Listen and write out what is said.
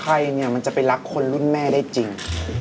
ใครเนี่ยมันจะไปรักคนรุ่นแม่ได้จริง